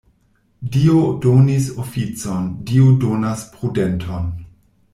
Dio donis oficon, Dio donas prudenton.